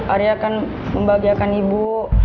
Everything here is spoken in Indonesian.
ari akan membahagiakan ibu